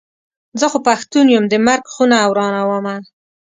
زه خو پښتون یم د مرک خونه ورانومه.